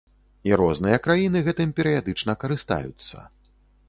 І розныя краіны гэтым перыядычна карыстаюцца.